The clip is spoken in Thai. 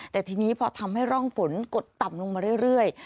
แต่ทีนี้พอทำให้ร่องฝนกดต่ำลงมาเรื่อย